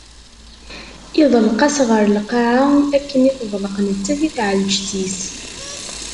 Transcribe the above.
Yeḍleq-as ɣer lqaɛa akken i teḍleq nettat i tɛelǧet-is.